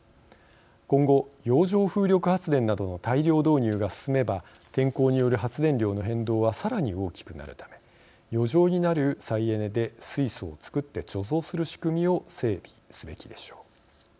今後、洋上風力発電などの大量導入が進めば天候による発電量の変動はさらに大きくなるため余剰になる再エネで水素を作って貯蔵する仕組みを整備すべきでしょう。